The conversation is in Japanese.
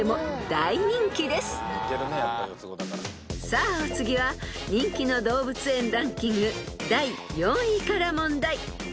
［さあお次は人気の動物園ランキング第４位から問題］